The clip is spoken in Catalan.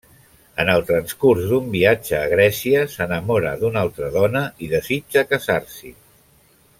En el transcurs d'un viatge a Grècia, s’enamora d'una altra dona i desitja casar-s’hi.